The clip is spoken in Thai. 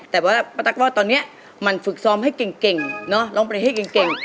แต่ว่าป้าตั๊กว่าตอนนี้มันฝึกซ้อมให้เก่งเนอะร้องเพลงให้เก่ง